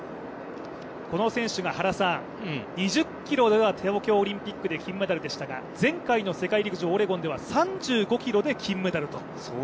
この選手が、２０ｋｍでは東京オリンピックで金メダルでしたが前回の世界陸上オレゴンでは３５ｋｍで金メダルと。